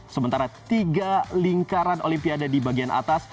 sementara tiga lingkaran olimpiade di bagian atas